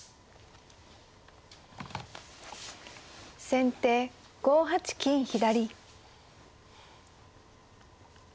先手５八金左。